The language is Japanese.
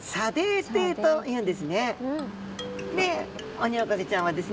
オニオコゼちゃんはですね